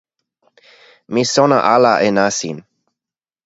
mi sona ala e nasin.